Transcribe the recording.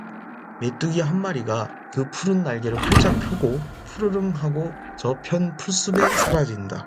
메뚜기 한 마리가 그 푸른 날개를 활짝 펴고 푸르릉 하고 저편 풀숲에 사라진다.